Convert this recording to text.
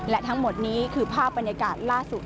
และทั้งหมดนี้คือภาพบรรยากาศล่าสุด